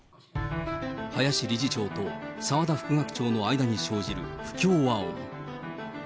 林理事長と澤田副学長の間に生じる不協和音。